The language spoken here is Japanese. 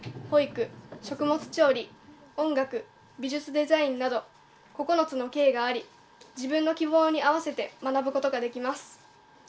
総合コースの中に福祉、保育食物調理、音楽美術デザインなど９つの系があり自分の希望に合わせて学ぶことができます。